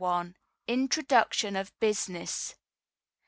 Introduction of Business.